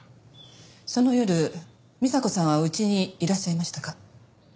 その夜美紗子さんは家にいらっしゃいましたか？